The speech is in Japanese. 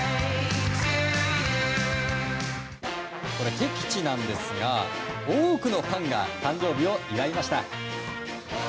敵地なんですが多くのファンが誕生日を祝いました。